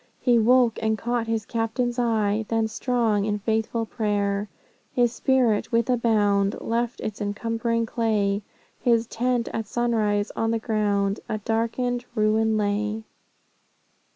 He woke, and caught his Captain's eye; Then, strong in faith and prayer His spirit, with a bound, Left its encumbering clay; His tent, at sunrise, on the ground, A darkened ruin lay."